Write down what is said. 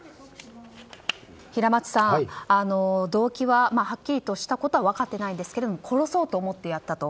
平松さん、動機ははっきりとしたことは分かってないんですけども殺そうと思ってやったと。